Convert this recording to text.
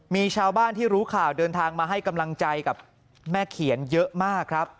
มีชาวบ้านที่รู้ข่าวเดินทางมาให้กำลังใจกับแม่เขียนเยอะมากครับ